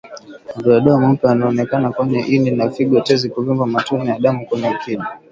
Madoadoa meupe yanaonekana kwenye ini na figoTezi kuvimba Matone ya damu kwenye kinywa